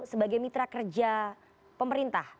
sebagai mitra kerja pemerintah